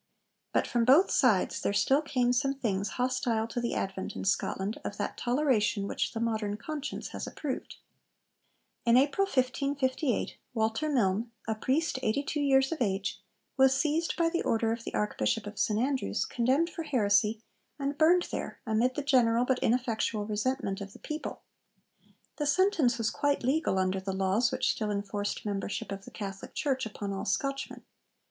But from both sides there still came some things hostile to the advent in Scotland of that toleration which the modern conscience has approved. In April 1558 Walter Myln, a priest eighty two years of age, was seized by order of the Archbishop of St Andrews, condemned for heresy, and burned there amid the general but ineffectual resentment of the people. The sentence was quite legal under the laws which still enforced membership of the Catholic Church upon all Scotchmen.